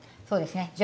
そうですね。